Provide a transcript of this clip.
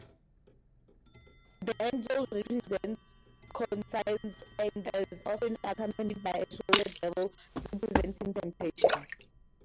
The angel represents conscience and is often accompanied by a shoulder devil representing temptation.